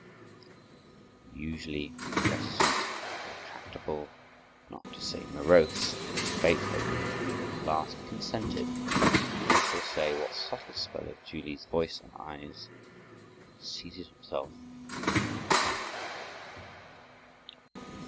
The usually reticent, intractable, not to say morose, Beethoven at last consented—under who shall say what subtle spell of Julie's voice and eyes?—and seated himself at the piano.